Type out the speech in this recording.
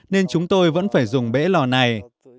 nên chúng tôi vẫn phải dùng bể lò này